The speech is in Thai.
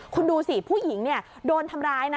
คุณดูสิผู้หญิงเนี่ยโดนทำร้ายนะ